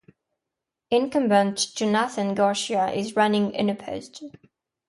Incumbent Jonathan Garcia is running unopposed.